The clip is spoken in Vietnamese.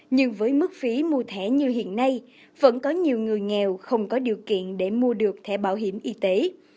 nhưng với mức phí mua thẻ như hiện nay vẫn có nhiều người nghèo không có điều kiện để mua được thẻ bảo hiểm y tế